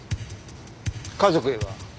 家族へは？